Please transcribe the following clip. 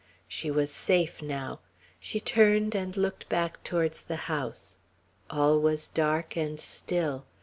She was safe now. She turned, and looked back towards the house; all was dark and still.